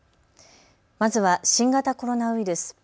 まずは新型コロナウイルス。